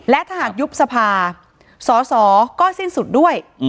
และถ้าหากยุบสภาสอสอก็สิ้นสุดด้วย